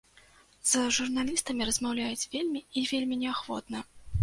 З журналістамі размаўляюць вельмі і вельмі неахвотна.